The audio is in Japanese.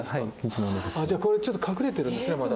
じゃあこれちょっと隠れてるんですねまだ。